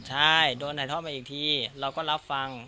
ใช่โดนถ่ายทอดมาอีกทีเราก็รับฟัง